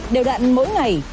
đều đặn mỗi ngày